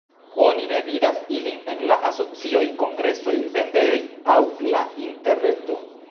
Oni ne vidas ilin en la asocioj, kongresoj, vendejoj aŭ la interreto.